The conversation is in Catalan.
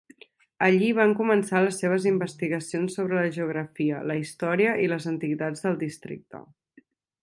Allí van començar les seves investigacions sobre la geografia, la història i les antiguitats del districte.